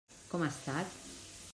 Com ha estat?